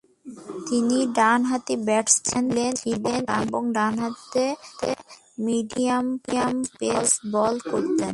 তিনি ডানহাতি ব্যাটসম্যান ছিলেন এবং ডানহাতে মিডিয়াম পেস বল করতেন।